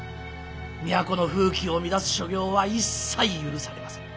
都の風紀を乱す所業は一切許されません。